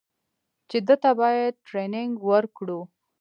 چې ده ته بايد ټرېننگ ورکړو.